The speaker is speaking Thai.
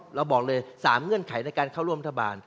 บอกเลย๓เงื่อนไขในการเข้าร่วมรัฐบาล